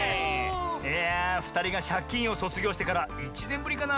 いやふたりが「シャキーン！」をそつぎょうしてから１ねんぶりかな？